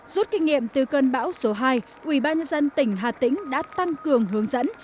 rút kinh nghiệm từ cơn bão số hai quỹ ban dân tỉnh hà tĩnh đã tăng cường hướng dẫn